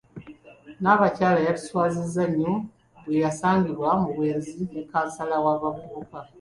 Nnabakyala yatuswaziza nnyo bwe yasangiddwa mu bwenzi ne kkansala w’abavubuka.